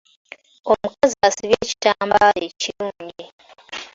Omukazi asibye ekitambaala ekirungi.